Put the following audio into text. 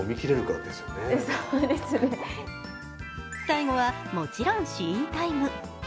最後は、もちろん試飲タイム。